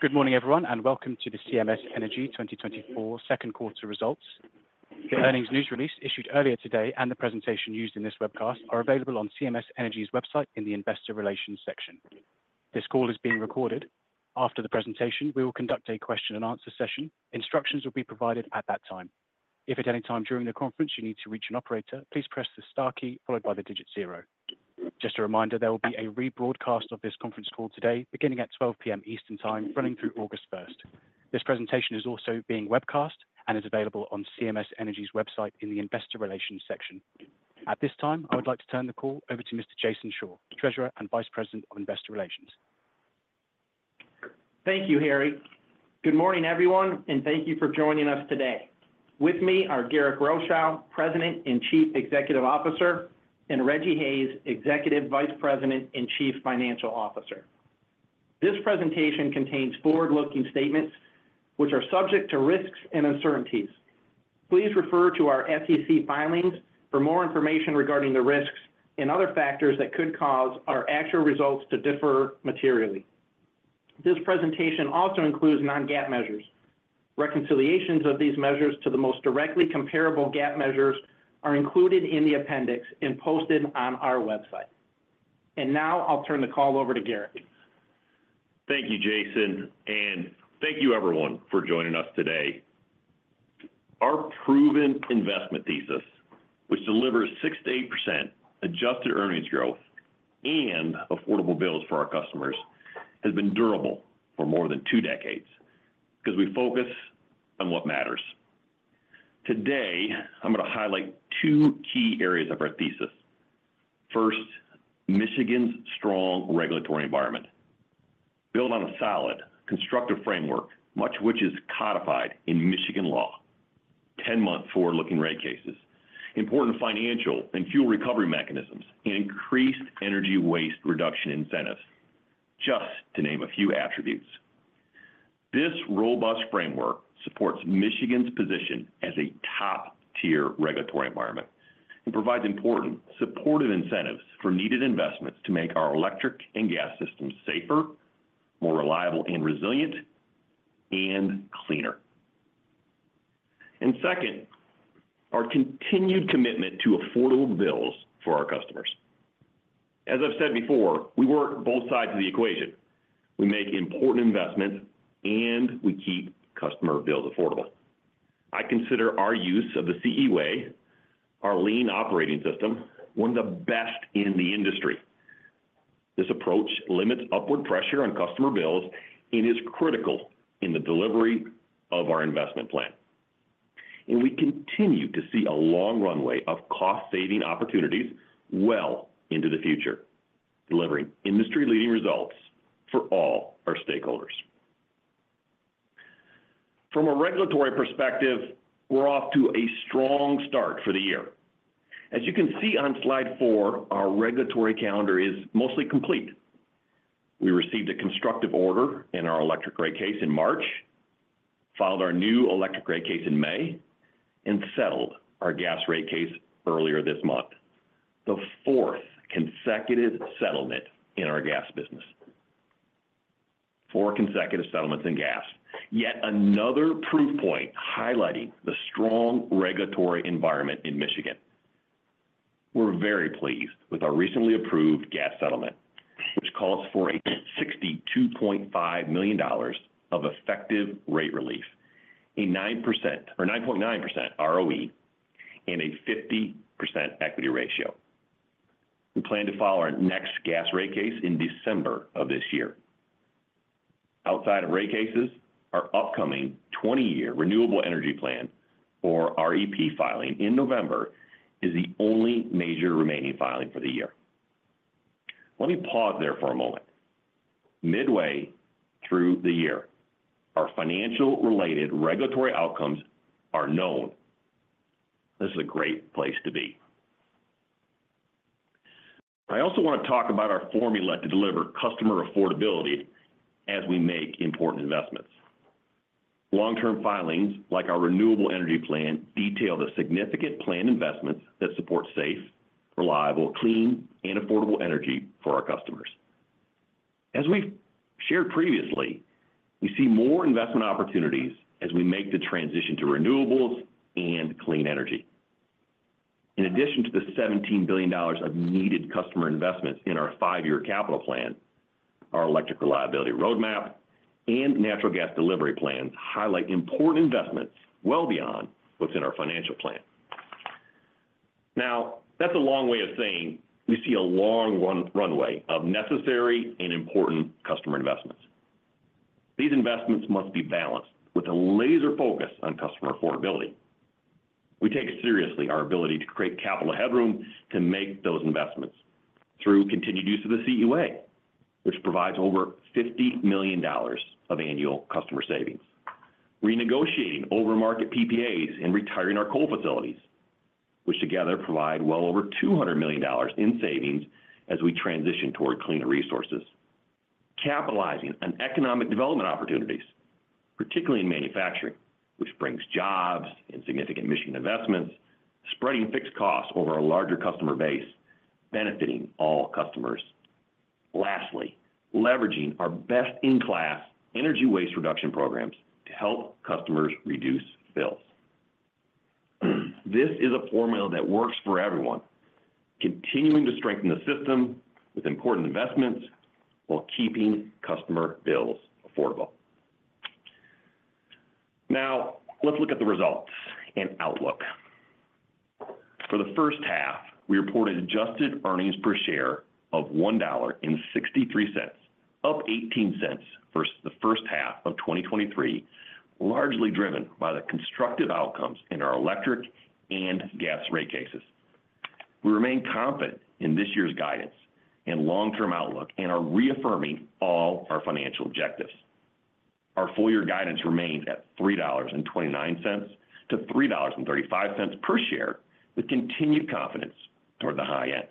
Good morning, everyone, and welcome to the CMS Energy 2024 second quarter results. The earnings news release issued earlier today and the presentation used in this webcast are available on CMS Energy's website in the Investor Relations section. This call is being recorded. After the presentation, we will conduct a question and answer session. Instructions will be provided at that time. If at any time during the conference you need to reach an operator, please press the star key followed by the digit zero. Just a reminder, there will be a rebroadcast of this conference call today, beginning at 12:00 P.M. Eastern Time, running through August 1. This presentation is also being webcast and is available on CMS Energy's website in the Investor Relations section. At this time, I would like to turn the call over to Mr. Jason Shore, Treasurer and Vice President of Investor Relations. Thank you, Harry. Good morning, everyone, and thank you for joining us today. With me are Garrick Rochow, President and Chief Executive Officer, and Rejji Hayes, Executive Vice President and Chief Financial Officer. This presentation contains forward-looking statements which are subject to risks and uncertainties. Please refer to our SEC filings for more information regarding the risks and other factors that could cause our actual results to differ materially. This presentation also includes non-GAAP measures. Reconciliations of these measures to the most directly comparable GAAP measures are included in the appendix and posted on our website. Now I'll turn the call over to Garrick. Thank you, Jason, and thank you everyone for joining us today. Our proven investment thesis, which delivers 6%-8% adjusted earnings growth and affordable bills for our customers, has been durable for more than two decades because we focus on what matters. Today, I'm going to highlight two key areas of our thesis. First, Michigan's strong regulatory environment. Built on a solid, constructive framework, much of which is codified in Michigan law, 10-month forward-looking rate cases, important financial and fuel recovery mechanisms, and increased energy waste reduction incentives, just to name a few attributes. This robust framework supports Michigan's position as a top-tier regulatory environment and provides important supportive incentives for needed investments to make our electric and gas systems safer, more reliable and resilient, and cleaner. And second, our continued commitment to affordable bills for our customers. As I've said before, we work both sides of the equation. We make important investments, and we keep customer bills affordable. I consider our use of the CE Way, our lean operating system, one of the best in the industry. This approach limits upward pressure on customer bills and is critical in the delivery of our investment plan. We continue to see a long runway of cost-saving opportunities well into the future, delivering industry-leading results for all our stakeholders. From a regulatory perspective, we're off to a strong start for the year. As you can see on slide four, our regulatory calendar is mostly complete. We received a constructive order in our electric rate case in March, filed our new electric rate case in May, and settled our gas rate case earlier this month, the fourth consecutive settlement in our gas business. Four consecutive settlements in gas, yet another proof point highlighting the strong regulatory environment in Michigan. We're very pleased with our recently approved gas settlement, which calls for a $62.5 million of effective rate relief, a 9% or 9.9% ROE, and a 50% equity ratio. We plan to file our next gas rate case in December of this year. Outside of rate cases, our upcoming 20-year renewable energy plan or REP filing in November, is the only major remaining filing for the year. Let me pause there for a moment. Midway through the year, our financial-related regulatory outcomes are known. This is a great place to be. I also want to talk about our formula to deliver customer affordability as we make important investments. Long-term filings, like our renewable energy plan, detail the significant planned investments that support safe, reliable, clean, and affordable energy for our customers. As we've shared previously, we see more investment opportunities as we make the transition to renewables and clean energy. In addition to the $17 billion of needed customer investments in our five-year capital plan, our electric reliability roadmap and natural gas delivery plans highlight important investments well beyond what's in our financial plan. Now, that's a long way of saying we see a long runway of necessary and important customer investments. These investments must be balanced with a laser focus on customer affordability. We take seriously our ability to create capital headroom to make those investments through continued use of the CE Way, which provides over $50 million of annual customer savings. Renegotiating over-market PPAs and retiring our coal facilities, which together provide well over $200 million in savings as we transition toward cleaner resources. Capitalizing on economic development opportunities, particularly in manufacturing, which brings jobs and significant Michigan investments, spreading fixed costs over a larger customer base, benefiting all customers. Lastly, leveraging our best-in-class energy waste reduction programs to help customers reduce bills. This is a formula that works for everyone, continuing to strengthen the system with important investments while keeping customer bills affordable. Now, let's look at the results and outlook. For the first half, we reported adjusted earnings per share of $1.63, up 18 cents versus the first half of 2023, largely driven by the constructive outcomes in our electric and gas rate cases. We remain confident in this year's guidance and long-term outlook, and are reaffirming all our financial objectives. Our full-year guidance remains at $3.29-$3.35 per share, with continued confidence toward the high end.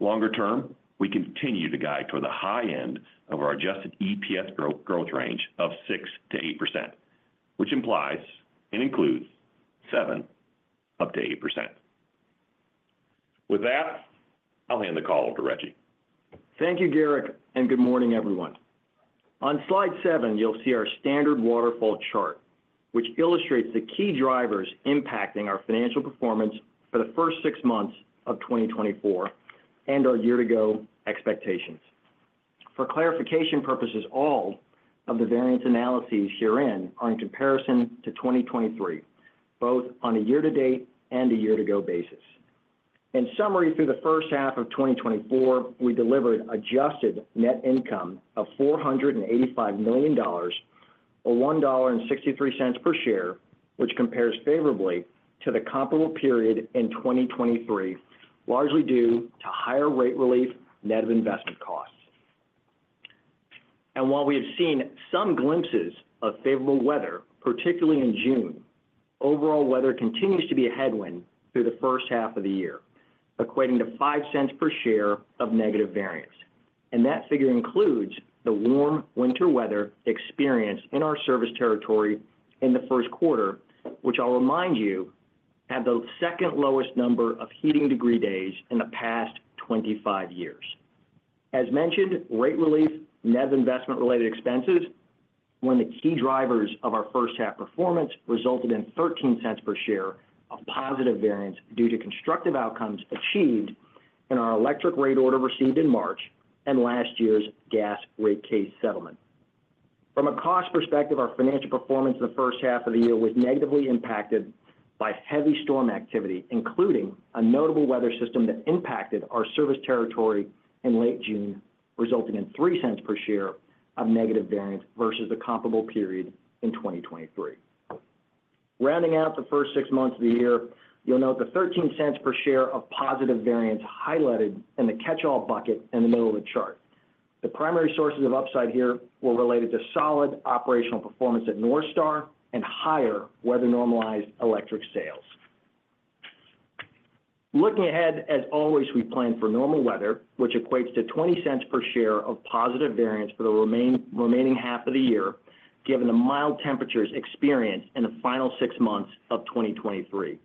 Longer term, we continue to guide toward the high end of our adjusted EPS growth range of 6%-8%, which implies and includes 7%-8%. With that, I'll hand the call over to Rejji. Thank you, Garrick, and good morning, everyone. On slide seven, you'll see our standard waterfall chart, which illustrates the key drivers impacting our financial performance for the first six months of 2024, and our year-ago expectations. For clarification purposes, all of the variance analyses herein are in comparison to 2023, both on a year-to-date and a year-ago basis. In summary, through the first half of 2024, we delivered adjusted net income of $485 million, or $1.63 per share, which compares favorably to the comparable period in 2023, largely due to higher rate relief net of investment costs. While we have seen some glimpses of favorable weather, particularly in June, overall weather continues to be a headwind through the first half of the year, equating to $0.05 per share of negative variance. That figure includes the warm winter weather experienced in our service territory in the first quarter, which I'll remind you, had the second lowest number of heating degree days in the past 25 years. As mentioned, rate relief, net investment-related expenses, one of the key drivers of our first half performance, resulted in $0.13 per share of positive variance due to constructive outcomes achieved in our electric rate order received in March and last year's gas rate case settlement. From a cost perspective, our financial performance in the first half of the year was negatively impacted by heavy storm activity, including a notable weather system that impacted our service territory in late June, resulting in $0.03 per share of negative variance versus the comparable period in 2023. Rounding out the first six months of the year, you'll note the $0.13 per share of positive variance highlighted in the catch-all bucket in the middle of the chart. The primary sources of upside here were related to solid operational performance at NorthStar and higher weather-normalized electric sales. Looking ahead, as always, we plan for normal weather, which equates to $0.20 per share of positive variance for the remaining half of the year, given the mild temperatures experienced in the final six months of 2023.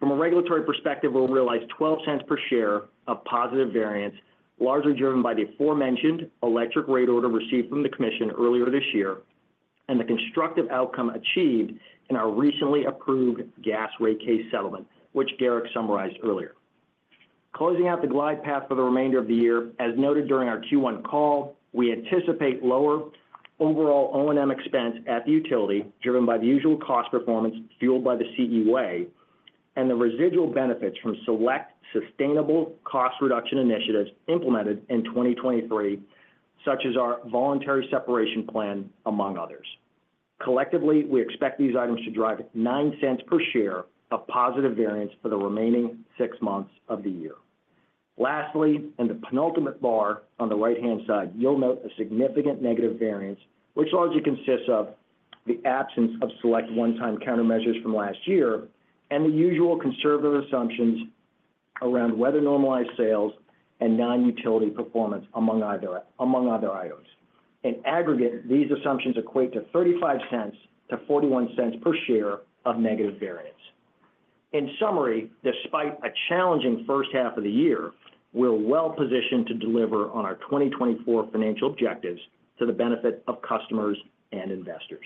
From a regulatory perspective, we'll realize $0.12 per share of positive variance, largely driven by the aforementioned electric rate order received from the commission earlier this year, and the constructive outcome achieved in our recently approved gas rate case settlement, which Garrick summarized earlier. Closing out the glide path for the remainder of the year, as noted during our Q1 call, we anticipate lower overall O&M expense at the utility, driven by the usual cost performance fueled by the CE Way, and the residual benefits from select sustainable cost reduction initiatives implemented in 2023, such as our voluntary separation plan, among others. Collectively, we expect these items to drive $0.09 per share of positive variance for the remaining six months of the year. Lastly, in the penultimate bar on the right-hand side, you'll note a significant negative variance, which largely consists of the absence of select one-time countermeasures from last year and the usual conservative assumptions around weather-normalized sales and non-utility performance, among other items. In aggregate, these assumptions equate to $0.35-$0.41 per share of negative variance. In summary, despite a challenging first half of the year, we're well positioned to deliver on our 2024 financial objectives to the benefit of customers and investors.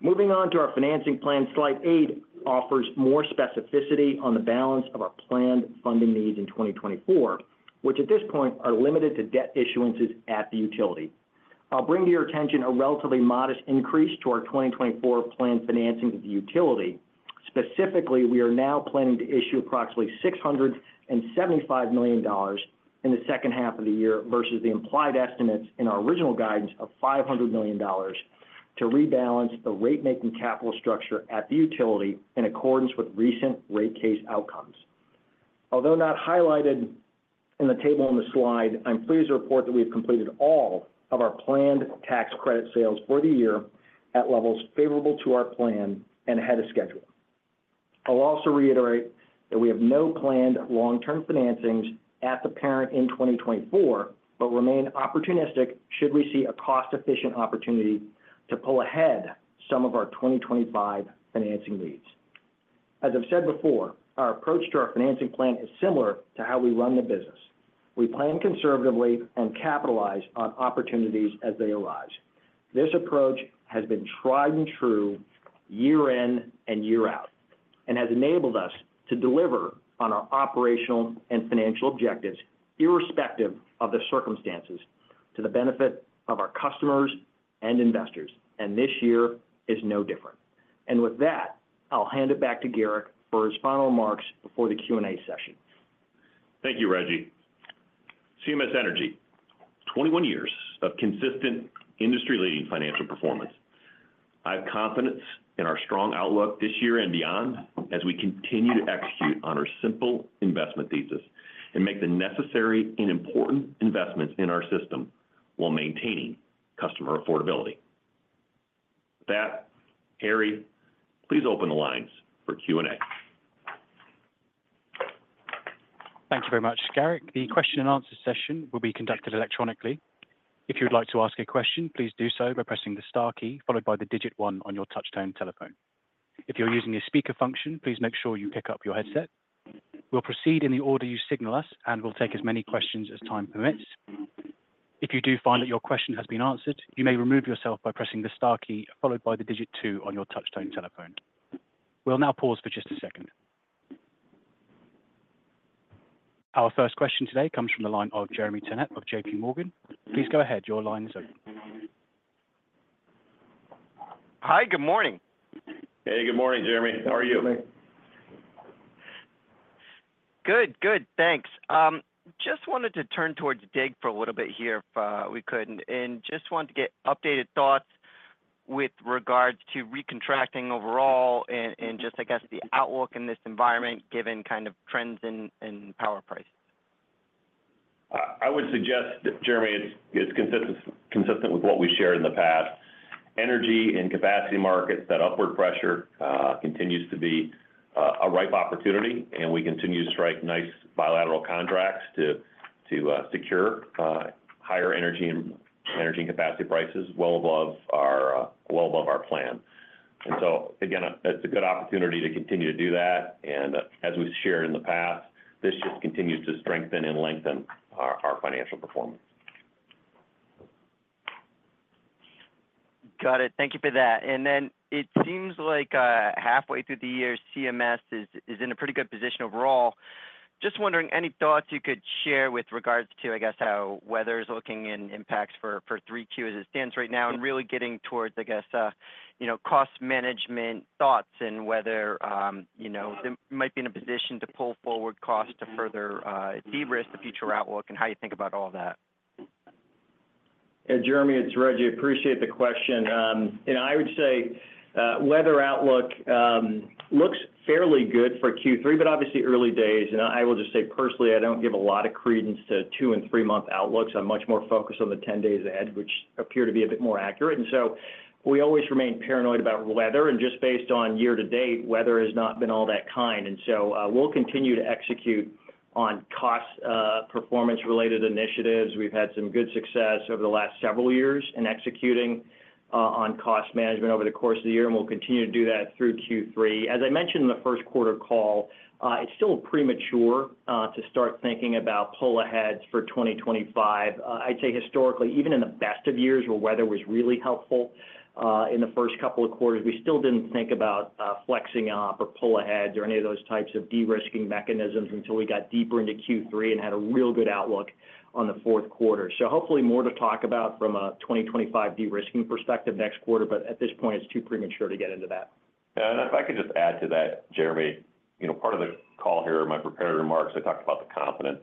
Moving on to our financing plan, slide 8 offers more specificity on the balance of our planned funding needs in 2024, which at this point are limited to debt issuances at the utility. I'll bring to your attention a relatively modest increase to our 2024 planned financing of the utility. Specifically, we are now planning to issue approximately $675 million in the second half of the year versus the implied estimates in our original guidance of $500 million, to rebalance the rate-making capital structure at the utility in accordance with recent rate case outcomes. Although not highlighted in the table on the slide, I'm pleased to report that we have completed all of our planned tax credit sales for the year at levels favorable to our plan and ahead of schedule. I'll also reiterate that we have no planned long-term financings at the parent in 2024, but remain opportunistic should we see a cost-efficient opportunity to pull ahead some of our 2025 financing needs. As I've said before, our approach to our financing plan is similar to how we run the business. We plan conservatively and capitalize on opportunities as they arise. This approach has been tried and true year in and year out, and has enabled us to deliver on our operational and financial objectives, irrespective of the circumstances, to the benefit of our customers and investors, and this year is no different. With that, I'll hand it back to Garrick for his final remarks before the Q&A session. Thank you, Rejji. CMS Energy, 21 years of consistent industry-leading financial performance. I have confidence in our strong outlook this year and beyond, as we continue to execute on our simple investment thesis and make the necessary and important investments in our system, while maintaining customer affordability. With that, Harry, please open the lines for Q&A. Thank you very much, Garrick. The question and answer session will be conducted electronically. If you would like to ask a question, please do so by pressing the star key, followed by the digit one on your touchtone telephone. If you're using your speaker function, please make sure you pick up your headset. We'll proceed in the order you signal us, and we'll take as many questions as time permits. If you do find that your question has been answered, you may remove yourself by pressing the star key, followed by the digit two on your touchtone telephone. We'll now pause for just a second. Our first question today comes from the line of Jeremy Tonet of J.P. Morgan. Please go ahead. Your line is open. Hi, good morning. Hey, good morning, Jeremy. How are you? Good. Good. Thanks. Just wanted to turn towards DIG for a little bit here, if we could, and just wanted to get updated thoughts with regards to recontracting overall and just, I guess, the outlook in this environment, given kind of trends in power prices. I would suggest that, Jeremy, it's consistent with what we shared in the past. Energy and capacity markets, that upward pressure continues to be a ripe opportunity, and we continue to strike nice bilateral contracts to secure higher energy and capacity prices well above our plan. So again, it's a good opportunity to continue to do that, and as we've shared in the past, this just continues to strengthen and lengthen our financial performance. Got it. Thank you for that. And then it seems like halfway through the year, CMS is in a pretty good position overall. Just wondering, any thoughts you could share with regards to, I guess, how weather is looking and impacts for 3Q as it stands right now, and really getting towards, I guess, you know, cost management thoughts and whether, you know, you might be in a position to pull forward costs to further de-risk the future outlook and how you think about all that? Yeah, Jeremy, it's Rejji. Appreciate the question. And I would say, weather outlook looks fairly good for Q3, but obviously early days. And I will just say, personally, I don't give a lot of credence to two- and three-month outlooks. I'm much more focused on the 10 days ahead, which appear to be a bit more accurate. And so we always remain paranoid about weather, and just based on year to date, weather has not been all that kind. And so, we'll continue to execute on cost performance-related initiatives. We've had some good success over the last several years in executing on cost management over the course of the year, and we'll continue to do that through Q3. As I mentioned in the first quarter call, it's still premature to start thinking about pull aheads for 2025. I'd say historically, even in the best of years, where weather was really helpful, in the first couple of quarters, we still didn't think about, flexing off or pull aheads or any of those types of de-risking mechanisms until we got deeper into Q3 and had a real good outlook on the fourth quarter. So hopefully more to talk about from a 2025 de-risking perspective next quarter, but at this point, it's too premature to get into that. And if I could just add to that, Jeremy, you know, part of the call here, my prepared remarks, I talked about the confidence.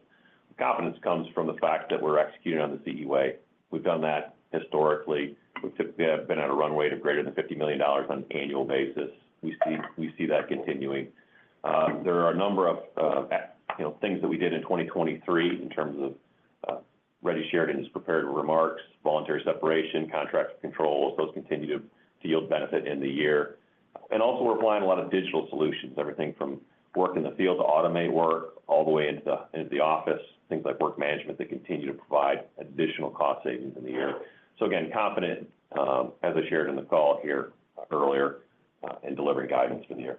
The confidence comes from the fact that we're executing on the CE Way. We've done that historically. We've been at a runway to greater than $50 million on an annual basis. We see that continuing. There are a number of, you know, things that we did in 2023 in terms of, Rejji shared in his prepared remarks, voluntary separation, contract control. Those continue to yield benefit in the year. And also, we're applying a lot of digital solutions, everything from work in the field to automate work, all the way into the office, things like work management, that continue to provide additional cost savings in the year. So again, confident, as I shared in the call here earlier, in delivering guidance for the year.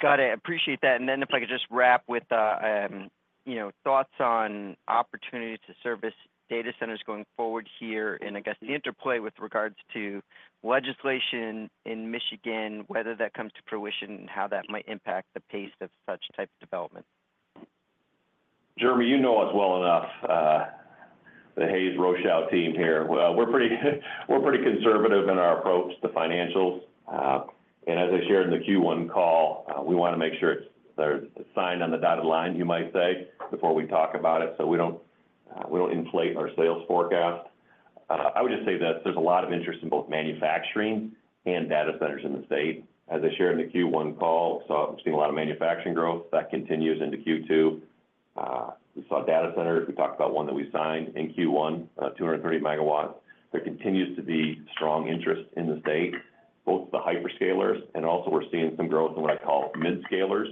Got it. Appreciate that. And then if I could just wrap with, you know, thoughts on opportunities to service data centers going forward here, and I guess the interplay with regards to legislation in Michigan, whether that comes to fruition and how that might impact the pace of such type of development. Jeremy, you know us well enough, the Hayes-Rochow team here. Well, we're pretty, we're pretty conservative in our approach to financials. And as I shared in the Q1 call, we want to make sure it's signed on the dotted line, you might say, before we talk about it, so we don't, we don't inflate our sales forecast. I would just say that there's a lot of interest in both manufacturing and data centers in the state. As I shared in the Q1 call, so I'm seeing a lot of manufacturing growth that continues into Q2. We saw data centers. We talked about one that we signed in Q1, 230 MW. There continues to be strong interest in the state, both the hyperscalers and also we're seeing some growth in what I call mid-scalers,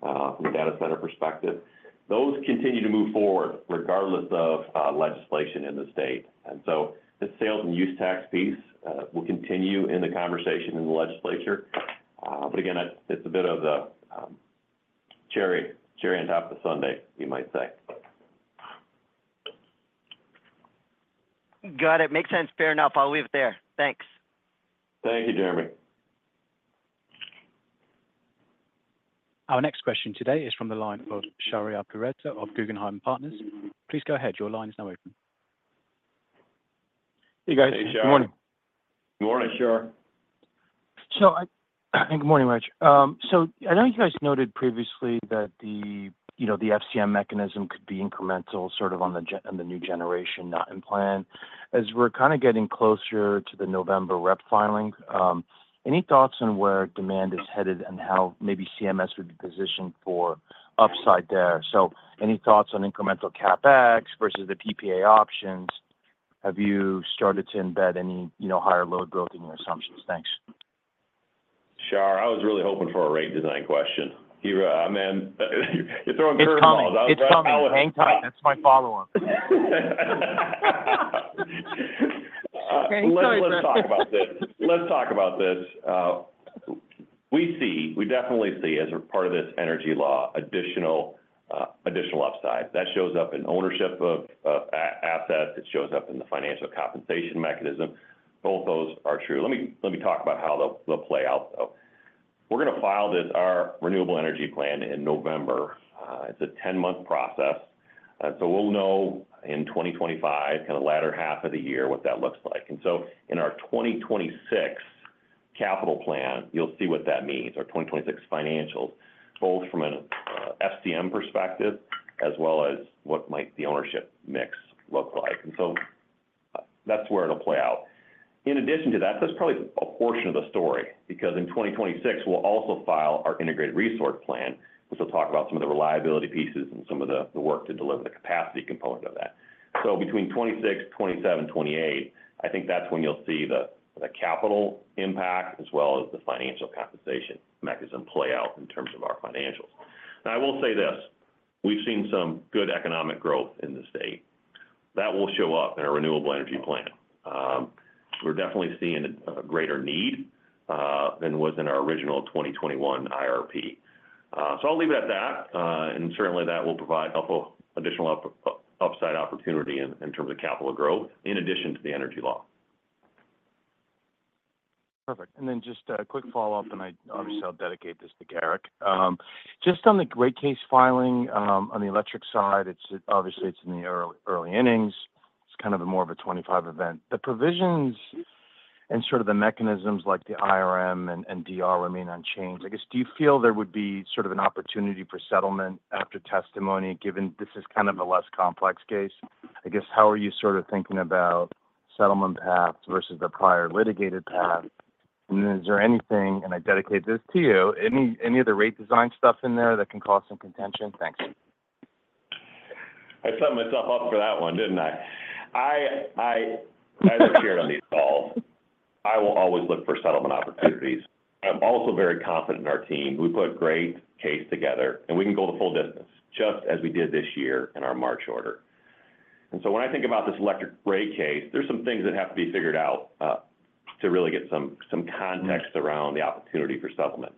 from a data center perspective. Those continue to move forward regardless of legislation in the state. And so the sales and use tax piece will continue in the conversation in the legislature. But again, it's a bit of a cherry cherry on top of the sundae, you might say. Got it. Makes sense. Fair enough. I'll leave it there. Thanks. Thank you, Jeremy. Our next question today is from the line of Shahriar Pourreza of Guggenheim Partners. Please go ahead. Your line is now open. Hey, guys. Hey, Shahriar. Good morning. Good morning, Shaarya. So good morning, Rejji. So I know you guys noted previously that the, you know, the FCM mechanism could be incremental, sort of on the new generation, not in plan. As we're kind of getting closer to the November REP filing, any thoughts on where demand is headed and how maybe CMS would be positioned for upside there? So any thoughts on incremental CapEx versus the PPA options? Have you started to embed any, you know, higher load growth in your assumptions? Thanks. Shaarya, I was really hoping for a rate design question. You, I mean, you're throwing curve balls. It's coming. It's coming. I would- Hang tight. That's my follow-up. Sorry about that. Let's, let's talk about this. Let's talk about this. We see, we definitely see, as a part of this energy law, additional upside. That shows up in ownership of assets, it shows up in the Financial Compensation Mechanism. Both those are true. Let me talk about how they'll play out, though. We're going to file this, our Renewable Energy Plan, in November. It's a 10-month process, so we'll know in 2025, kind of latter half of the year, what that looks like. And so in our 2026 capital plan, you'll see what that means, our 2026 financials, both from an FCM perspective as well as what might the ownership mix look like, and so that's where it'll play out. In addition to that, that's probably a portion of the story, because in 2026, we'll also file our Integrated Resource Plan, which will talk about some of the reliability pieces and some of the work to deliver the capacity component of that. So between 2026, 2027, 2028, I think that's when you'll see the capital impact, as well as the Financial Compensation Mechanism play out in terms of our financials. Now, I will say this: We've seen some good economic growth in the state. That will show up in our Renewable Energy Plan. We're definitely seeing a greater need than was in our original 2021 IRP. So I'll leave it at that, and certainly, that will provide helpful additional upside opportunity in terms of capital growth, in addition to the energy law. Perfect. And then just a quick follow-up, and I obviously, I'll dedicate this to Garrick. Just on the rate case filing, on the electric side, it's obviously in the early, early innings. It's kind of more of a 25 event. The provisions and sort of the mechanisms like the IRM and DR remain unchanged. I guess, do you feel there would be sort of an opportunity for settlement after testimony, given this is kind of a less complex case? I guess, how are you sort of thinking about settlement paths versus the prior litigated path? And then is there anything, and I dedicate this to you, any of the rate design stuff in there that can cause some contention? Thanks. I set myself up for that one, didn't I? I love sharing on these calls. I will always look for settlement opportunities. I'm also very confident in our team. We put a great case together, and we can go the full distance, just as we did this year in our March order. And so when I think about this electric rate case, there are some things that have to be figured out to really get some context around the opportunity for settlement.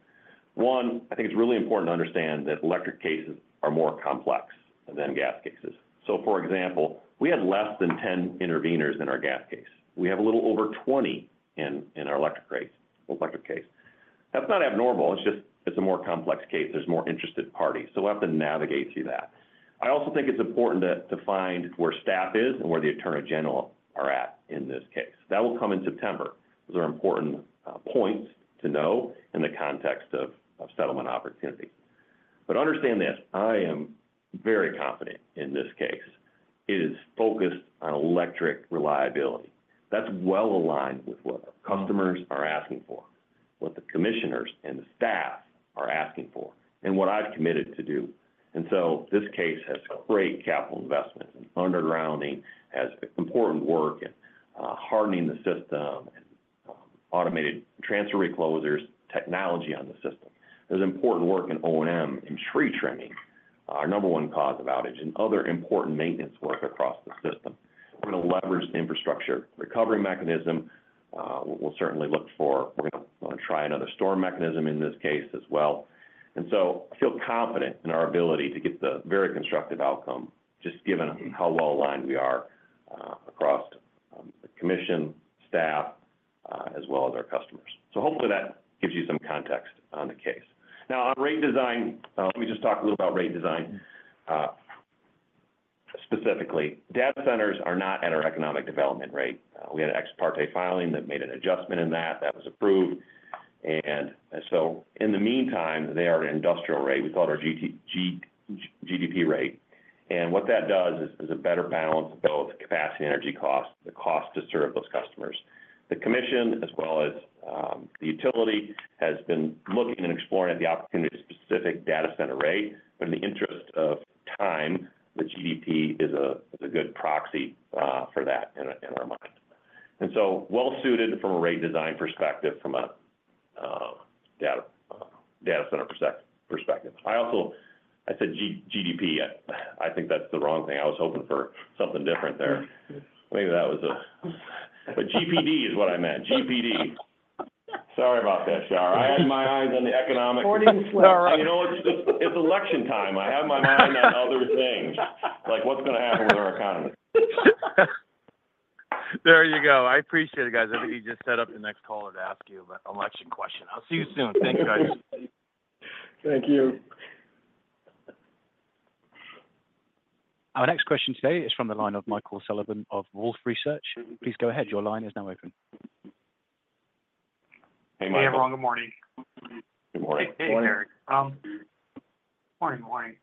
One, I think it's really important to understand that electric cases are more complex than gas cases. So for example, we had less than 10 interveners in our gas case. We have a little over 20 in our electric rate, electric case. That's not abnormal, it's just, it's a more complex case. There's more interested parties, so we'll have to navigate through that. I also think it's important to find where staff is and where the Attorney General are at in this case. That will come in September. Those are important points to know in the context of settlement opportunities. But understand this: I am very confident in this case. It is focused on electric reliability. That's well aligned with what our customers are asking for, what the commissioners and the staff are asking for, and what I've committed to do. And so this case has great capital investments, and undergrounding has important work, and hardening the system, and automated transfer reclosers, technology on the system. There's important work in O&M and tree trimming, our number one cause of outage, and other important maintenance work across the system. We're gonna leverage the Infrastructure Recovery Mechanism. We'll certainly. We're gonna wanna try another storm mechanism in this case as well. And so I feel confident in our ability to get the very constructive outcome, just given how well-aligned we are across the commission, staff, as well as our customers. So hopefully that gives you some context on the case. Now, on rate design, let me just talk a little about rate design. Specifically, data centers are not at our economic development rate. We had an ex parte filing that made an adjustment in that. That was approved. And so in the meantime, they are at an industrial rate. We call it our GPD rate. And what that does is a better balance of both capacity and energy costs, the cost to serve those customers. The commission, as well as the utility, has been looking and exploring at the opportunity to specific data center rate, but in the interest of time, the GPD is a good proxy for that in our mind. And so well-suited from a rate design perspective, from a data center perspective. I also said GDP. I think that's the wrong thing. I was hoping for something different there. Maybe that was a... But GPD is what I meant. GPD. Sorry about that, Sharon. I had my eyes on the economic- Reporting as well. You know what? It's election time. I have my mind on other things, like what's going to happen with our economy. There you go. I appreciate it, guys. I think you just set up the next caller to ask you about election question. I'll see you soon. Thank you, guys. Thank you. Our next question today is from the line of Michael Sullivan of Wolfe Research. Please go ahead. Your line is now open. Hey, Michael. Hey, everyone. Good morning. Good morning. Hey, Garrick. Morning, morning.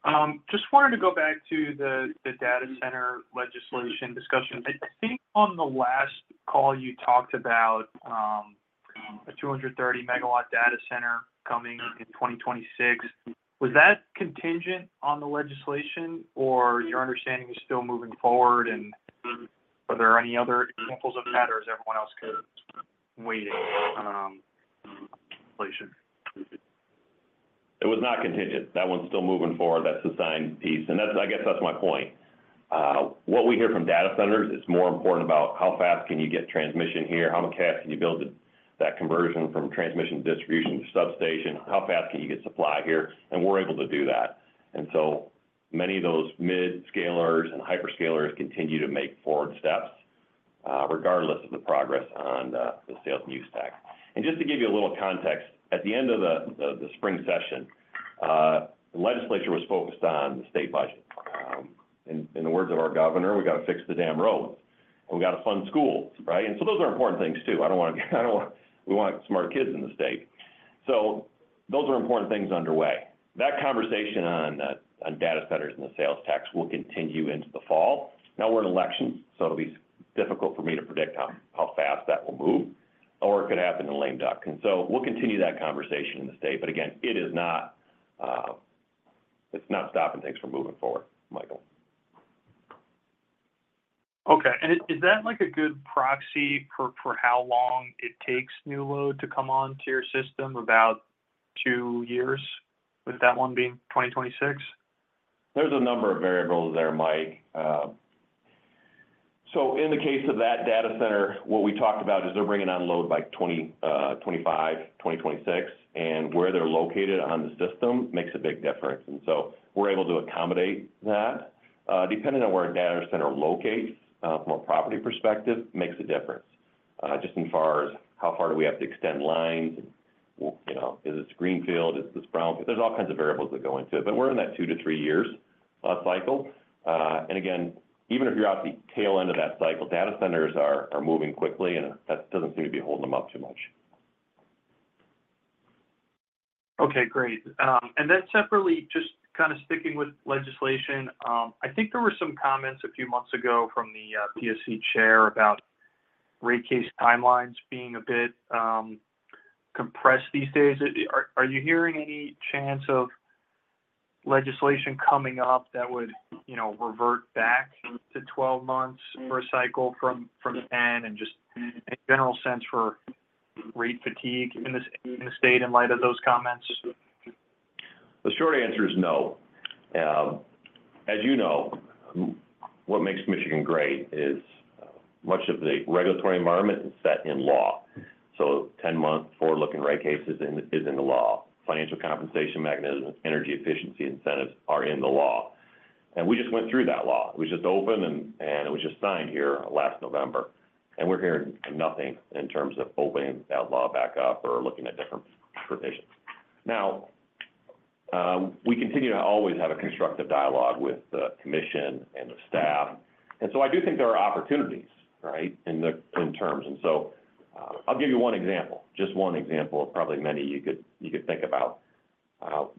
Just wanted to go back to the, the data center legislation discussion. I think on the last call, you talked about a 230-megawatt data center coming in 2026. Was that contingent on the legislation or your understanding is still moving forward, and are there any other examples of that, or is everyone else kind of waiting completion? It was not contingent. That one's still moving forward. That's the signed piece, and that's, I guess that's my point. What we hear from data centers, it's more important about how fast can you get transmission here, how fast can you build it, that conversion from transmission to distribution to substation, how fast can you get supply here? And we're able to do that. And so many of those mid scalers and hyperscalers continue to make forward steps, regardless of the progress on the sales and use tax. And just to give you a little context, at the end of the spring session, the legislature was focused on the state budget. In the words of our governor, "We got to fix the damn roads, and we got to fund schools." Right? And so those are important things, too. I don't want to. I don't want. We want smart kids in the state. So those are important things underway. That conversation on, on data centers and the sales tax will continue into the fall. Now, we're in election, so it'll be difficult for me to predict how, how fast that will move, or it could happen in lame duck. And so we'll continue that conversation in the state. But again, it is not, it's not stopping things from moving forward, Michael. Okay. Is that, like, a good proxy for how long it takes new load to come on to your system? About 2 years, with that one being 2026? There's a number of variables there, Mike. So in the case of that data center, what we talked about is they're bringing on load by 2025, 2026, and where they're located on the system makes a big difference. And so we're able to accommodate that. Depending on where a data center locates, from a property perspective, makes a difference. Just as far as how far do we have to extend lines, you know, is this greenfield? Is this brown? There's all kinds of variables that go into it, but we're in that 2-3 years cycle. And again, even if you're at the tail end of that cycle, data centers are moving quickly, and that doesn't seem to be holding them up too much. Okay, great. And then separately, just kind of sticking with legislation, I think there were some comments a few months ago from the PSC chair about rate case timelines being a bit compressed these days. Are you hearing any chance of legislation coming up that would, you know, revert back to 12 months for a cycle from 10? And just a general sense for rate fatigue in this state in light of those comments? The short answer is no. As you know, what makes Michigan great is much of the regulatory environment is set in law. So 10 months, forward-looking rate cases is in the law. Financial Compensation Mechanism, energy efficiency incentives are in the law, and we just went through that law. It was just open, and it was just signed here last November, and we're hearing nothing in terms of opening that law back up or looking at different provisions. Now, we continue to always have a constructive dialogue with the commission and the staff, and so I do think there are opportunities, right, in terms. So I'll give you one example, just one example of probably many you could think about.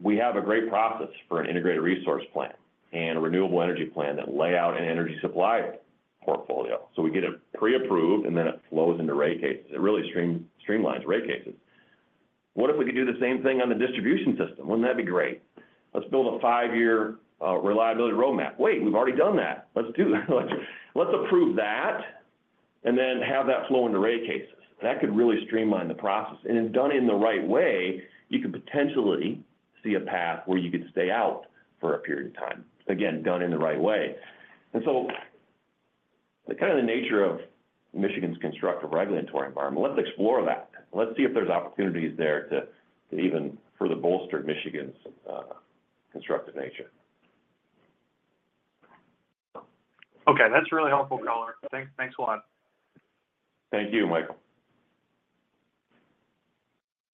We have a great process for an integrated resource plan and a renewable energy plan that lay out an energy supply portfolio. So we get it preapproved, and then it flows into rate cases. It really streamlines rate cases. What if we could do the same thing on the distribution system? Wouldn't that be great? Let's build a five-year reliability roadmap. Wait, we've already done that. Let's do that. Let's approve that and then have that flow into rate cases. That could really streamline the process, and if done in the right way, you could potentially see a path where you could stay out for a period of time. Again, done in the right way. And so the kind of the nature of Michigan's constructive regulatory environment, let's explore that. Let's see if there's opportunities there to even further bolster Michigan's constructive nature. Okay. That's really helpful, caller. Thanks. Thanks a lot. Thank you, Michael.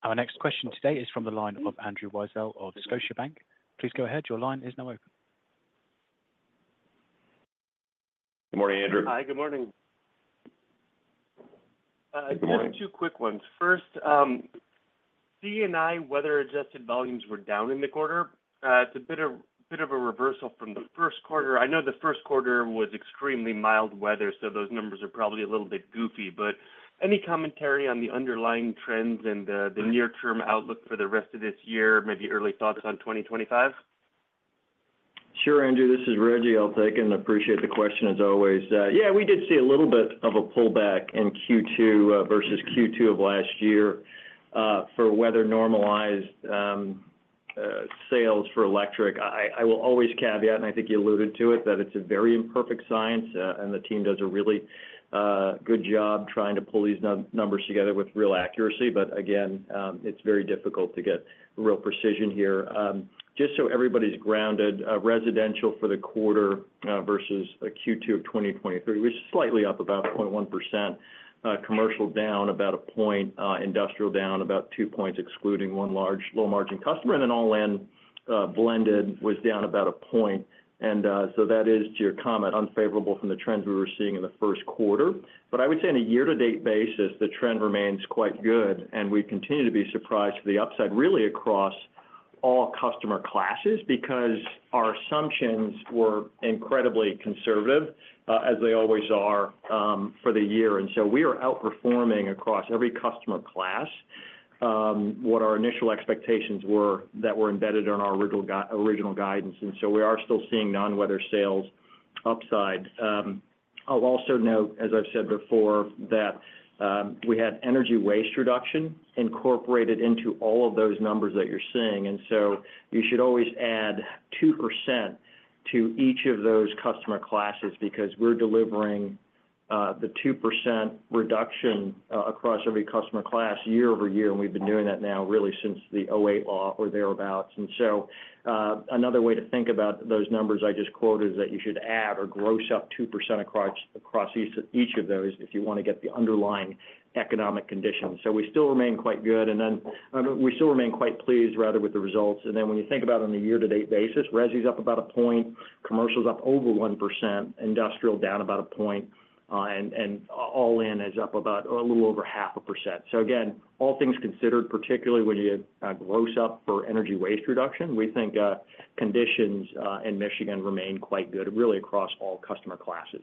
Our next question today is from the line of Andrew Weisel of Scotiabank. Please go ahead. Your line is now open. Good morning, Andrew. Hi, Good morning. Good morning. Just two quick ones. First, CNI weather-adjusted volumes were down in the quarter. It's a bit of a reversal from the first quarter. I know the first quarter was extremely mild weather, so those numbers are probably a little bit goofy, but any commentary on the underlying trends and the near-term outlook for the rest of this year, maybe early thoughts on 2025? Sure, Andrew, this is Reggie. I'll take it, and appreciate the question as always. Yeah, we did see a little bit of a pullback in Q2 versus Q2 of last year for weather-normalized sales for electric. I will always caveat, and I think you alluded to it, that it's a very imperfect science, and the team does a really good job trying to pull these numbers together with real accuracy. But again, it's very difficult to get real precision here. Just so everybody's grounded, residential for the quarter versus a Q2 of 2023 was slightly up, about 0.1%. Commercial, down about 1%, industrial, down about 2%, excluding one large low-margin customer. And then all in, blended was down about 1%. So that is, to your comment, unfavorable from the trends we were seeing in the first quarter. But I would say on a year-to-date basis, the trend remains quite good, and we continue to be surprised to the upside, really across all customer classes, because our assumptions were incredibly conservative, as they always are, for the year. And so we are outperforming across every customer class, what our initial expectations were that were embedded in our original guidance, and so we are still seeing non-weather sales upside. I'll also note, as I've said before, that we had energy waste reduction incorporated into all of those numbers that you're seeing, and so you should always add 2% to each of those customer classes, because we're delivering the 2% reduction across every customer class year-over-year, and we've been doing that now really since the 2008 law or thereabouts. And so another way to think about those numbers I just quoted is that you should add or gross up 2% across each of those if you want to get the underlying economic conditions. So we still remain quite good, and then we still remain quite pleased, rather, with the results. And then when you think about it on a year-to-date basis, resi's up about a point, commercial's up over 1%, industrial down about a point, and all in is up about a little over 0.5%. So again, all things considered, particularly when you gross up for energy waste reduction, we think conditions in Michigan remain quite good, really across all customer classes.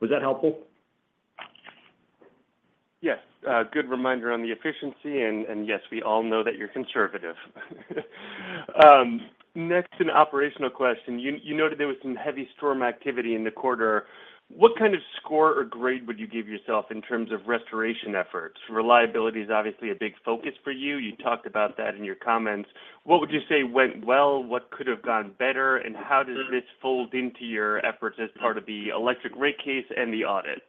Was that helpful? Yes. Good reminder on the efficiency and yes, we all know that you're conservative. Next, an operational question. You noted there was some heavy storm activity in the quarter. What kind of score or grade would you give yourself in terms of restoration efforts? Reliability is obviously a big focus for you. You talked about that in your comments. What would you say went well, what could have gone better, and how does this fold into your efforts as part of the electric rate case and the audit?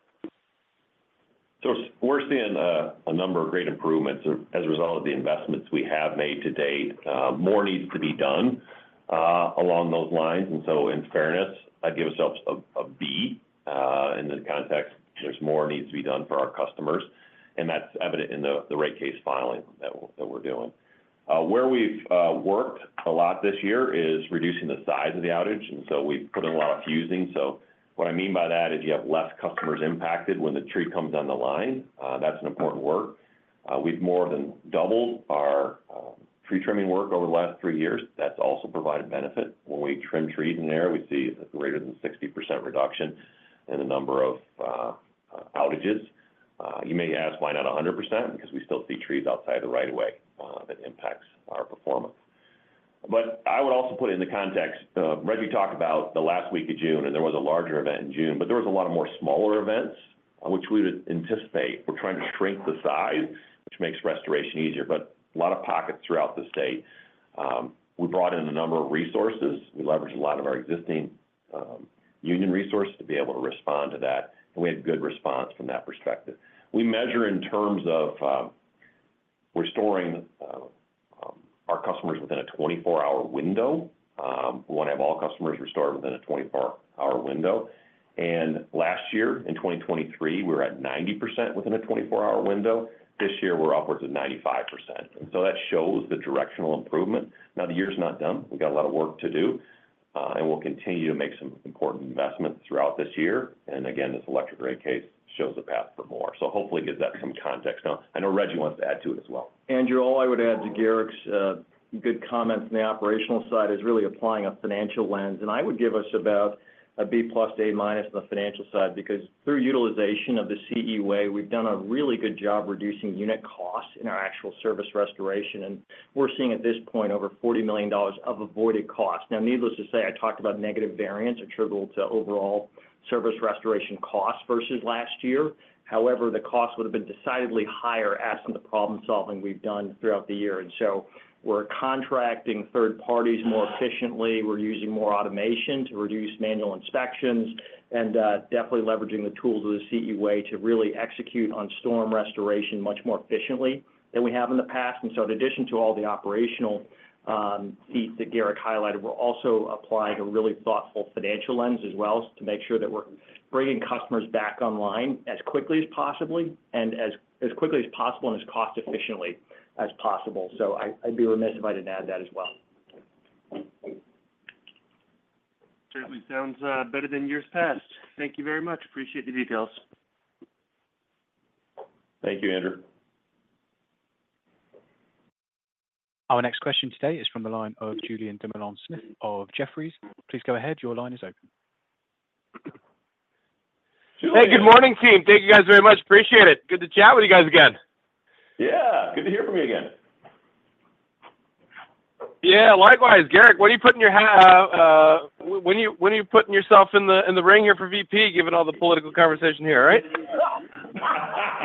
So we're seeing a number of great improvements as a result of the investments we have made to date. More needs to be done along those lines, and so in fairness, I'd give ourselves a B. In this context, there's more needs to be done for our customers, and that's evident in the rate case filing that we're doing. Where we've worked a lot this year is reducing the size of the outage, and so we've put in a lot of fusing. So what I mean by that is you have less customers impacted when the tree comes on the line. That's an important work. We've more than doubled our tree trimming work over the last three years. That's also provided benefit. When we trim trees in there, we see a greater than 60% reduction in the number of outages. You may ask, "Why not 100%?" Because we still see trees outside the right of way that impacts our performance. But I would also put it in the context, Rejji talked about the last week of June, and there was a larger event in June, but there was a lot of more smaller events, which we would anticipate. We're trying to shrink the size, which makes restoration easier, but a lot of pockets throughout the state. We brought in a number of resources. We leveraged a lot of our existing union resources to be able to respond to that, and we had good response from that perspective. We measure in terms of restoring our customers within a 24-hour window. We want to have all customers restored within a 24-hour window, and last year, in 2023, we were at 90% within a 24-hour window. This year, we're upwards of 95%, and so that shows the directional improvement. Now, the year's not done. We've got a lot of work to do, and we'll continue to make some important investments throughout this year. And again, this electric rate case shows a path for more. So hopefully, gives that some context. Now, I know Reggie wants to add to it as well. Andrew, all I would add to Garrick's good comments on the operational side is really applying a financial lens. I would give us about a B plus, A minus on the financial side, because through utilization of the CE Way, we've done a really good job reducing unit costs in our actual service restoration, and we're seeing, at this point, over $40 million of avoided costs. Now, needless to say, I talked about negative variance attributable to overall service restoration costs versus last year. However, the cost would have been decidedly higher absent the problem-solving we've done throughout the year. So we're contracting third parties more efficiently, we're using more automation to reduce manual inspections, and definitely leveraging the tools of the CE Way to really execute on storm restoration much more efficiently than we have in the past. And so in addition to all the operational feats that Garrick highlighted, we're also applying a really thoughtful financial lens as well, to make sure that we're bringing customers back online as quickly as possibly, and as quickly as possible and as cost efficiently as possible. So I'd be remiss if I didn't add that as well. Certainly sounds better than years past. Thank you very much. Appreciate the details. Thank you, Andrew. Our next question today is from the line of Julien Dumoulin-Smith of Jefferies. Please go ahead. Your line is open. Hey, good morning, team. Thank you, guys, very much. Appreciate it. Good to chat with you guys again. Yeah, good to hear from you again. Yeah, likewise. Garrick, what are you putting your hat - when are you putting yourself in the ring here for VP, given all the political conversation here, right?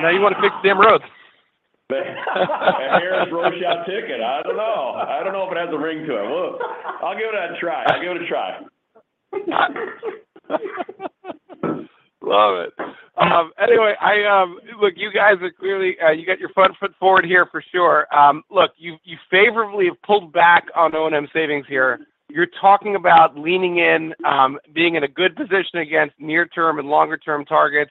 Now you want to fix the damn roads. The Hayes-Rochow ticket. I don't know. I don't know if it has a ring to it. Well, I'll give it a try. I'll give it a try. Love it. Anyway, I look, you guys are clearly, you got your front foot forward here for sure. Look, you, you favorably have pulled back on O&M savings here. You're talking about leaning in, being in a good position against near-term and longer-term targets.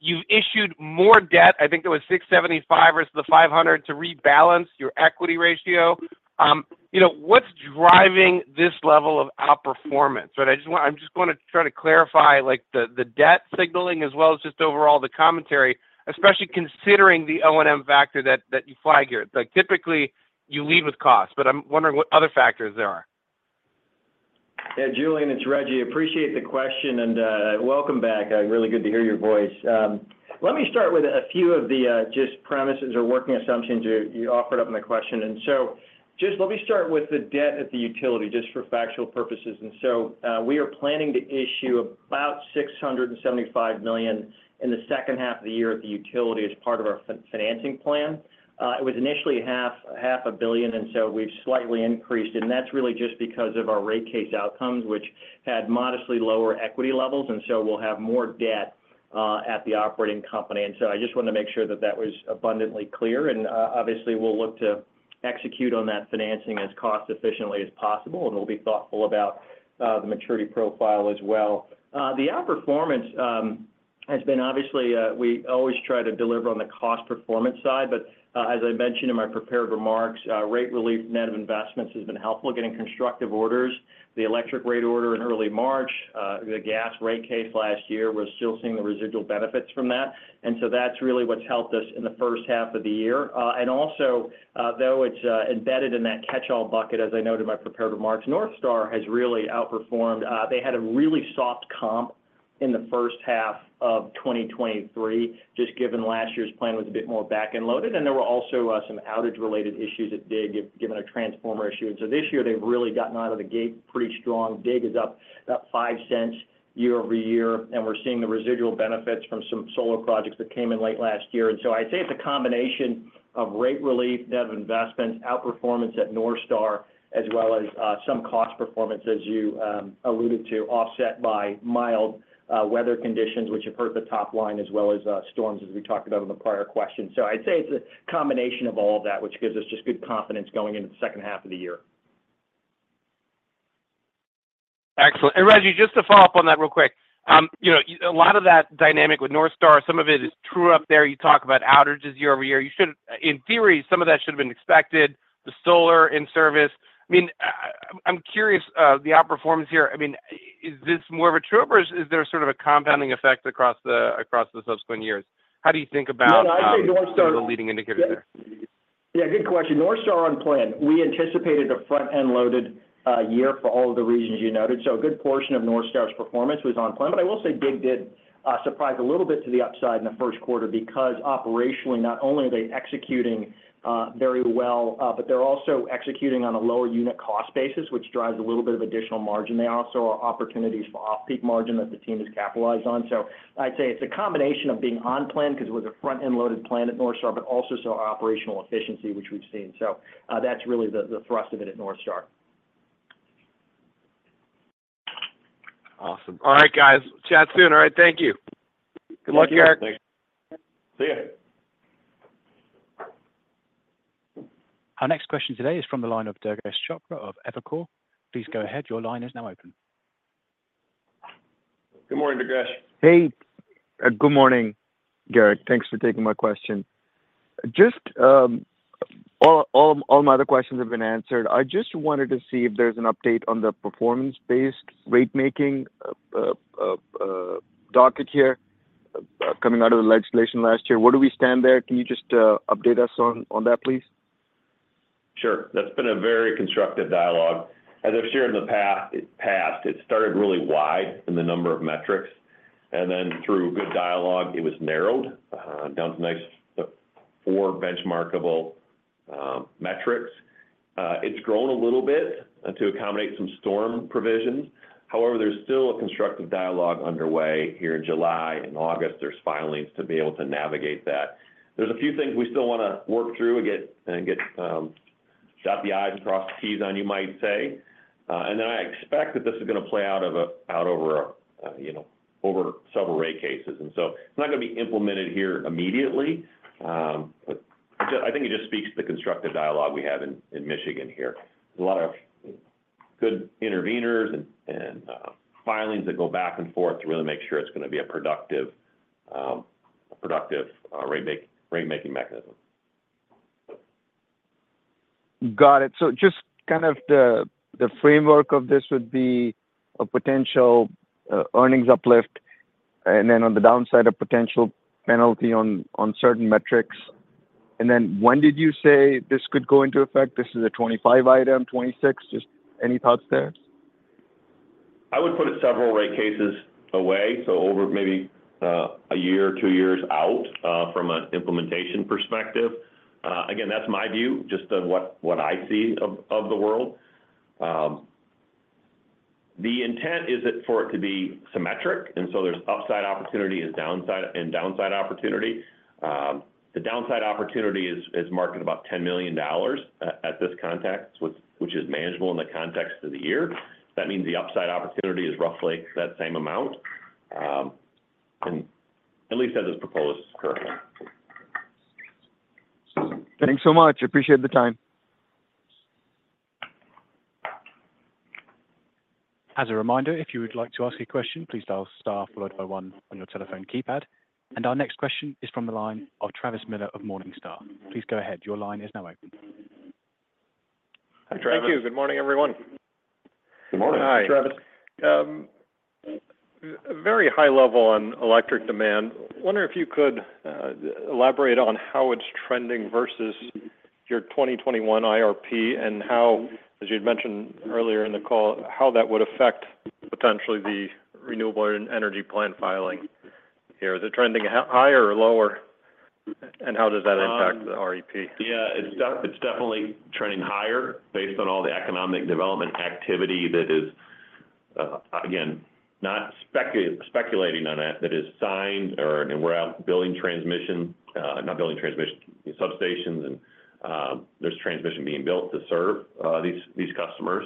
You've issued more debt. I think it was $675 versus the $500 to rebalance your equity ratio. You know, what's driving this level of outperformance? But I just want. I'm just gonna try to clarify, like, the, the debt signaling, as well as just overall the commentary, especially considering the O&M factor that, that you flag here. Like, typically, you lead with cost, but I'm wondering what other factors there are. Yeah, Julien, it's Reggie. Appreciate the question, and, welcome back. Really good to hear your voice. Let me start with a few of the, just premises or working assumptions you, you offered up in the question. And so just let me start with the debt at the utility, just for factual purposes. And so, we are planning to issue about $675 million in the second half of the year at the utility as part of our financing plan. It was initially half a billion, and so we've slightly increased, and that's really just because of our rate case outcomes, which had modestly lower equity levels, and so we'll have more debt, at the operating company. And so I just wanted to make sure that that was abundantly clear, and, obviously, we'll look to execute on that financing as cost efficiently as possible, and we'll be thoughtful about, the maturity profile as well. The outperformance has been obviously, we always try to deliver on the cost performance side, but, as I mentioned in my prepared remarks, rate relief, net of investments has been helpful, getting constructive orders. The electric rate order in early March, the gas rate case last year, we're still seeing the residual benefits from that, and so that's really what's helped us in the first half of the year. And also, though it's, embedded in that catch-all bucket, as I noted in my prepared remarks, NorthStar has really outperformed. They had a really soft comp in the first half of 2023, just given last year's plan was a bit more back-end loaded, and there were also some outage-related issues at DIG, given a transformer issue. And so this year, they've really gotten out of the gate pretty strong. DIG is up about $0.05 year-over-year, and we're seeing the residual benefits from some solar projects that came in late last year. And so I'd say it's a combination of rate relief, net of investment, outperformance at NorthStar, as well as some cost performance, as you alluded to, offset by mild weather conditions, which have hurt the top line, as well as storms, as we talked about in the prior question. I'd say it's a combination of all of that, which gives us just good confidence going into the second half of the year. Excellent. And Rejji, just to follow up on that real quick, you know, a lot of that dynamic with Northstar, some of it is true up there. You talk about outages year over year. You should. In theory, some of that should have been expected, the solar in service. I mean, I'm curious, the outperformance here, I mean, is this more of a true, or is there sort of a compounding effect across the, across the subsequent years? How do you think about- No, I think NorthStar- the leading indicator there? Yeah, good question. Northstar on plan. We anticipated a front-end loaded year for all of the reasons you noted. So a good portion of Northstar's performance was on plan. But I will say DIG did surprise a little bit to the upside in the first quarter because operationally, not only are they executing very well, but they're also executing on a lower unit cost basis, which drives a little bit of additional margin. There also are opportunities for off-peak margin that the team has capitalized on. So I'd say it's a combination of being on plan because it was a front-end loaded plan at Northstar, but also so our operational efficiency, which we've seen. So that's really the thrust of it at Northstar. Awesome. All right, guys. Chat soon. All right, thank you. Good luck, Garrick. See you. Our next question today is from the line of Durgesh Chopra of Evercore. Please go ahead. Your line is now open. Good morning, Durgesh. Hey, good morning, Garrick. Thanks for taking my question. Just, all my other questions have been answered. I just wanted to see if there's an update on the performance-based rate making docket here, coming out of the legislation last year. Where do we stand there? Can you just update us on that, please? Sure. That's been a very constructive dialogue. As I've shared in the past, it passed. It started really wide in the number of metrics, and then through good dialogue, it was narrowed down to nice four benchmarkable metrics. It's grown a little bit to accommodate some storm provisions. However, there's still a constructive dialogue underway here in July and August. There's filings to be able to navigate that. There's a few things we still want to work through and get, and get dot the I's and cross the T's on, you might say. And then I expect that this is going to play out over you know, over several rate cases. And so it's not going to be implemented here immediately, but I think it just speaks to the constructive dialogue we have in Michigan here. There's a lot of good intervenors and filings that go back and forth to really make sure it's going to be a productive ratemaking mechanism. Got it. So just kind of the framework of this would be a potential earnings uplift, and then on the downside, a potential penalty on certain metrics. And then when did you say this could go into effect? This is a 2025 item, 2026? Just any thoughts there? I would put it several rate cases away, so over maybe a year or two years out from an implementation perspective. Again, that's my view, just of what I see of the world. The intent is for it to be symmetric, and so there's upside opportunity and downside opportunity. The downside opportunity is marked at about $10 million in this context, which is manageable in the context of the year. That means the upside opportunity is roughly that same amount, and at least as it's proposed currently. Thanks so much. Appreciate the time. As a reminder, if you would like to ask a question, please dial star followed by one on your telephone keypad. Our next question is from the line of Travis Miller of Morningstar. Please go ahead. Your line is now open. Hi, Travis. Thank you. Good morning, everyone. Good morning. Hi, Travis. Very high level on electric demand. I wonder if you could elaborate on how it's trending versus your 2021 IRP and how, as you'd mentioned earlier in the call, how that would affect potentially the renewable energy plan filing here. Is it trending higher or lower, and how does that impact the REP? Yeah, it's definitely trending higher based on all the economic development activity that is, again, not speculating on that, that is signed or, and we're out building transmission, not building transmission, substations and, there's transmission being built to serve, these customers.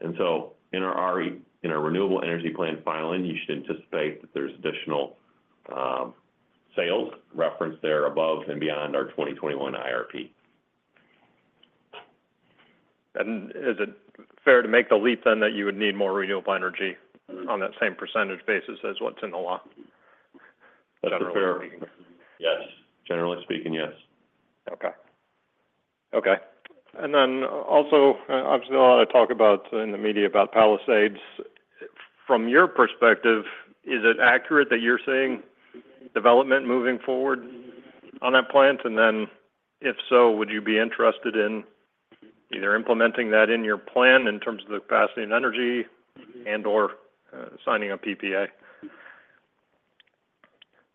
And so in our RE-- in our renewable energy plan filing, you should anticipate that there's additional, sales referenced there above and beyond our 2021 IRP. Is it fair to make the leap then, that you would need more renewable energy on that same percentage basis as what's in the law? That's fair. Yes. Generally speaking, yes. Okay. Okay. And then also, obviously, a lot of talk about, in the media, about Palisades. From your perspective, is it accurate that you're seeing development moving forward on that plant? And then, if so, would you be interested in either implementing that in your plan in terms of the capacity and energy, and/or signing a PPA?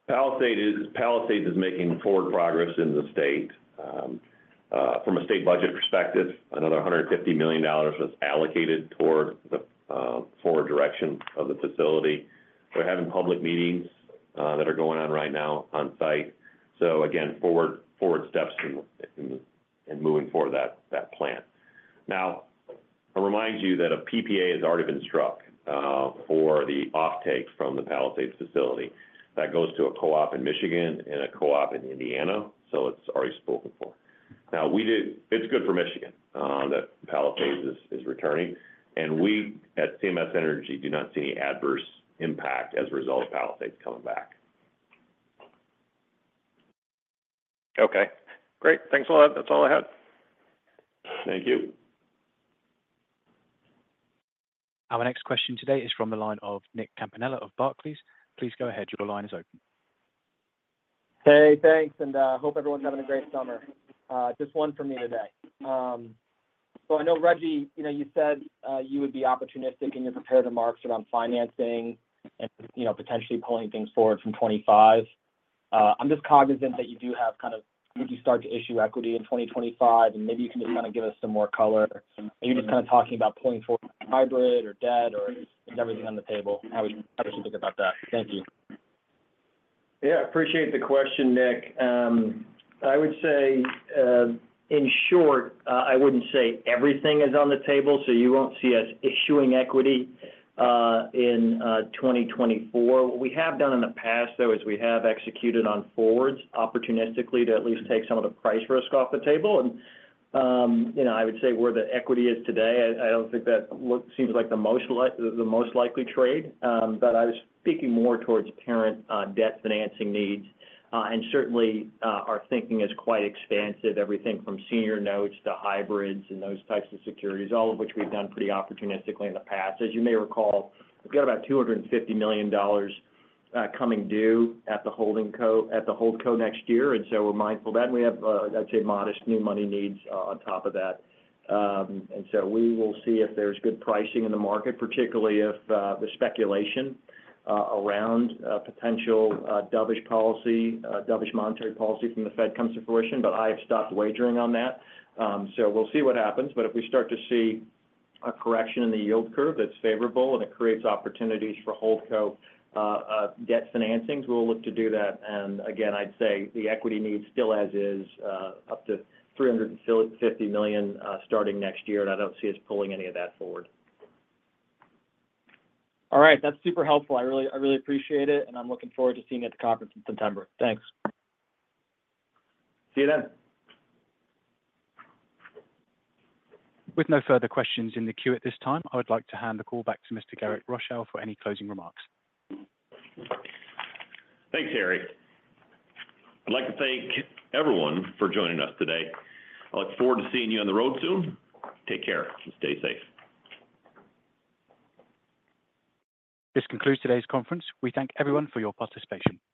Palisades is making forward progress in the state. From a state budget perspective, another $150 million was allocated toward the forward direction of the facility. We're having public meetings that are going on right now on site. So again, forward steps in moving forward that plant. Now, I'll remind you that a PPA has already been struck for the offtake from the Palisades facility. That goes to a co-op in Michigan and a co-op in Indiana, so it's already spoken for. Now, it's good for Michigan that Palisades is returning, and we at CMS Energy do not see any adverse impact as a result of Palisades coming back. Okay, great. Thanks a lot. That's all I had. Thank you. Our next question today is from the line of Nick Campanella of Barclays. Please go ahead. Your line is open. Hey, thanks, and hope everyone's having a great summer. Just one from me today. So I know, Rejji, you know, you said you would be opportunistic in your prepared remarks around financing and, you know, potentially pulling things forward from 25. I'm just cognizant that you do have kind of, would you start to issue equity in 2025? And maybe you can just kind of give us some more color. Are you just kind of talking about pulling forward hybrid or debt, or is everything on the table? How we- how do we think about that? Thank you. Yeah, I appreciate the question, Nick. I would say, in short, I wouldn't say everything is on the table, so you won't see us issuing equity in 2024. What we have done in the past, though, is we have executed on forwards opportunistically to at least take some of the price risk off the table. You know, I would say where the equity is today, I don't think that seems like the most likely trade. But I was speaking more towards parent debt financing needs. Certainly, our thinking is quite expansive. Everything from senior notes to hybrids and those types of securities, all of which we've done pretty opportunistically in the past. As you may recall, we've got about $250 million coming due at the holding co at the hold co next year, and so we're mindful of that, and we have, I'd say, modest new money needs on top of that. And so we will see if there's good pricing in the market, particularly if the speculation around potential dovish policy, dovish monetary policy from the Fed comes to fruition, but I have stopped wagering on that. So we'll see what happens, but if we start to see a correction in the yield curve that's favorable and it creates opportunities for hold co debt financings, we'll look to do that. And again, I'd say the equity needs still as is, up to $350 million, starting next year, and I don't see us pulling any of that forward. All right. That's super helpful. I really, I really appreciate it, and I'm looking forward to seeing you at the conference in September. Thanks. See you then. With no further questions in the queue at this time, I would like to hand the call back to Mr. Garrick Rochow for any closing remarks. Thanks, Harry. I'd like to thank everyone for joining us today. I look forward to seeing you on the road soon. Take care and stay safe. This concludes today's conference. We thank everyone for your participation.